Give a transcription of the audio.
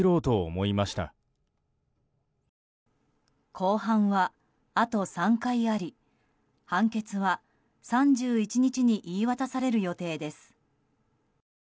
公判はあと３回あり判決は３１日に言い渡される予定です。